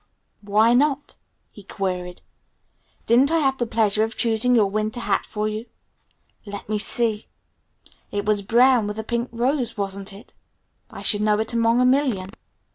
"Why not?" he queried. "Didn't I have the pleasure of choosing your winter hat for you? Let me see, it was brown, with a pink rose wasn't it? I should know it among a million."